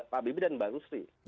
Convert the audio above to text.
pak bibi dan mbak lusri